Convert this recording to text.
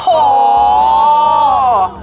โอ้โห